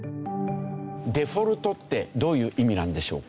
デフォルトってどういう意味なんでしょうか？